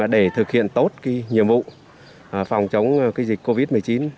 để thực hiện tốt nhiệm vụ phòng chống dịch covid một mươi chín